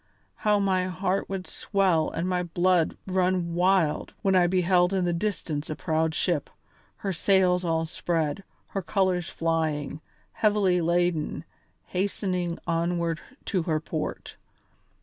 How my heart would swell and my blood run wild when I beheld in the distance a proud ship, her sails all spread, her colours flying, heavily laden, hastening onward to her port.